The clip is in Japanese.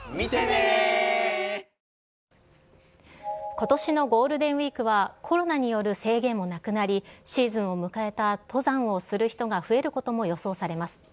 ことしのゴールデンウィークはコロナによる制限もなくなり、シーズンを迎えた登山をする人が増えることも予想されます。